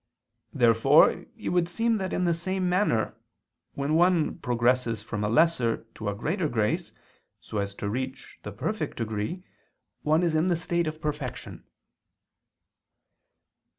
Therefore it would seem that in the same manner, when one progresses from a lesser to a greater grace, so as to reach the perfect degree, one is in the state of perfection.